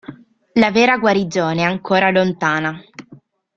La vera guarigione è ancora lontana.